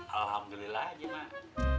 alhamdulillah aja mak